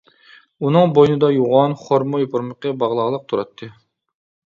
ئۇنىڭ بوينىدا يوغان خورما يوپۇرمىقى باغلاقلىق تۇراتتى.